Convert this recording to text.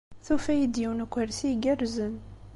Tufa-iyi-d yiwen n ukersi igerrzen.